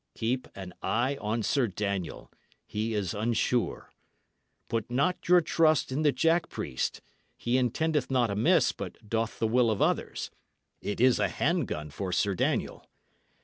Keep an eye on Sir Daniel; he is unsure. Put not your trust in the jack priest; he intendeth not amiss, but doth the will of others; it is a hand gun for Sir Daniel!